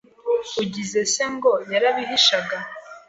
Ugize se ngo yarabihishaga?